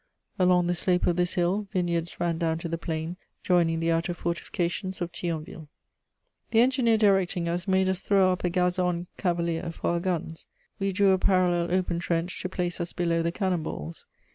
Along the slope of this hill, vineyards ran down to the plain joining the outer fortifications of Thionville. [Sidenote: The siege of Thionville.] The engineer directing us made us throw up a gazoned cavalier for our guns; we drew a parallel open trench to place us below the cannon balls.